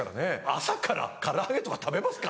朝から唐揚げとか食べますか？